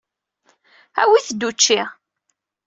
Awit-d učči.